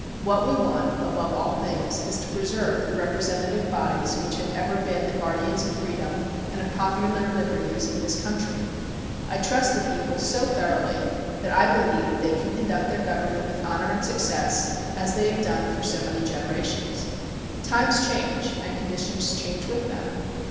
What we want, above all things, is to preserve the representative bodies which have ever been the guardians of freedom and of popular liberties in this country. I trust the people so thoroughly that I beUeve they can conduct their government with honor and success, as they have done for so many generations. Times change and conditions change with them.